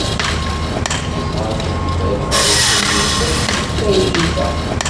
nesɛa kan fad ɣer uḥunnu mačči d tayri ta.